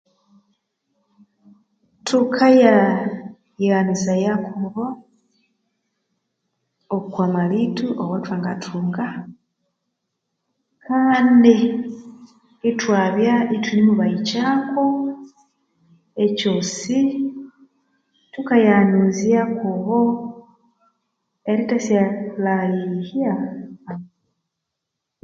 Thukaya yihanuzaya kubo oku malitho aghothwangathunga kandi ithwabya ithunemubahikyako ekyosi thukaya yihanuzya kubo erithasya halihya